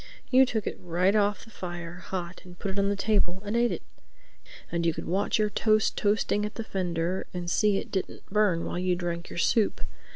You took it right off the fire, hot, and put it on the table and ate it. And you could watch your toast toasting at the fender and see it didn't burn while you drank your soup.